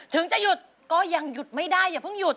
ถึงจะหยุดก็ยังหยุดไม่ได้อย่าเพิ่งหยุด